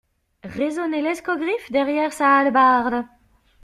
Raisonnait l'escogriffe derrière sa hallebarde.